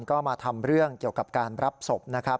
ก็มาทำเรื่องเกี่ยวกับการรับศพนะครับ